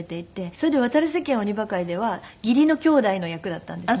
それで『渡る世間は鬼ばかり』では義理の姉妹の役だったんですね。